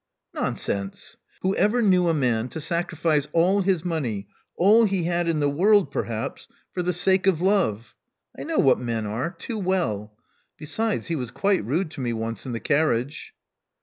Nonsense. Who ever knew a man to sacrifice all his money — all he had in the world, perhaps — for the sake of love? I know what men are too well. Besides, he was quite rude to me once in the carriage.